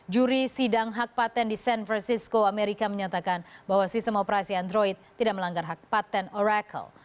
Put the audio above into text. juri sidang hak patent di san francisco amerika menyatakan bahwa sistem operasi android tidak melanggar hak patent oracle